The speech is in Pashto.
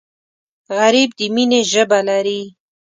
غریب د مینې ژبه لري